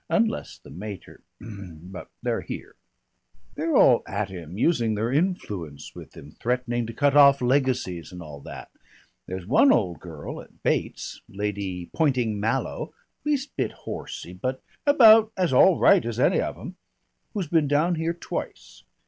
Unless the mater But they're here. They're all at him using their influence with him, threatening to cut off legacies and all that. There's one old girl at Bate's, Lady Poynting Mallow least bit horsey, but about as all right as any of 'em who's been down here twice.